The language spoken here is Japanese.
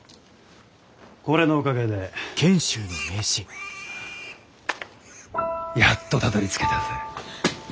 これのおかげでやっとたどりつけたぜ。